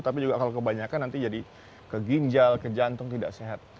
tapi juga kalau kebanyakan nanti jadi ke ginjal ke jantung tidak sehat